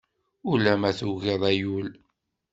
Ulamma tugid ay ul.